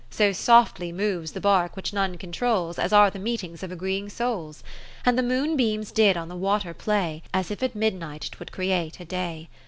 So softly moves the barque which none controls. As are the meetings of agreeing souls: And the moon beams did on the water play, As if at midnight 'twould create a day.